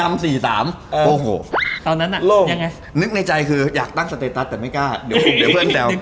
ไม่กล้าเดี๋ยวผมเดี๋ยวเพื่อนแต่ว